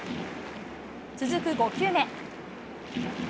続く５球目。